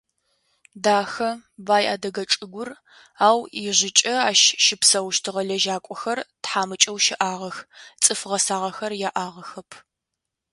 Дахэ, бай адыгэ чӏыгур, ау ижъыкӏэ ащ щыпсэущтыгъэ лэжьакӏохэр тхьамыкӏэу щыӏагъэх, цӏыф гъэсагъэхэр яӏагъэхэп.